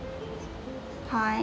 はい。